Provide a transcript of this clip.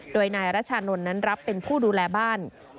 โดยนายรัชานนท์นั้นรับเป็นผู้ดูแลบ้าน